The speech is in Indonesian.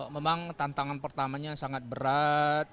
memang tantangan pertamanya sangat berat